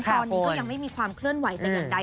ตอนนี้ก็ยังไม่มีความเคลื่อนไหวแต่อย่างใด